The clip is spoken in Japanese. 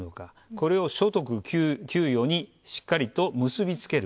これを、所得、給与にしっかりと結び付ける。